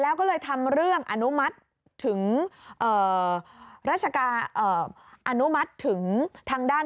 แล้วก็เลยทำเรื่องอนุมัติถึงทางด้าน